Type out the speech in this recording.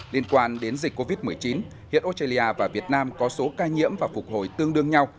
liên quan đến dịch covid một mươi chín hiện australia và việt nam có số ca nhiễm và phục hồi tương đương nhau